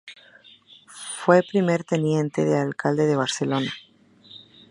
Fue primer teniente de alcalde de Barcelona.